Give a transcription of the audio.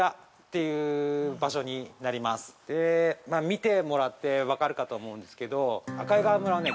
見てもらって分かるかと思うんですけど赤井川村はね